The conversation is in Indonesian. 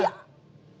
yang pasti ya